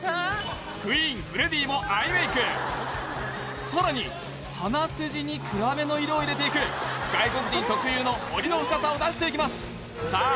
ＱＵＥＥＮフレディもアイメイクさらに鼻筋に暗めの色を入れていく外国人特有の彫りの深さを出していきますさあ